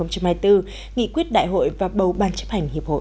nghị quyết đại hội và bầu ban chấp hành hiệp hội